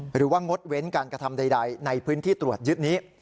งดเว้นการกระทำใดในพื้นที่ตรวจยึดนี้